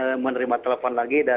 kemudian saya menerima telepon dari dpr